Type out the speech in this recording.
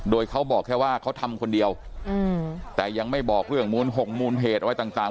โดยเขาบอกแค่ว่าเขาทำคนเดียวแต่ยังไม่บอกเรื่องมูลหกมูลเหตุอะไรต่าง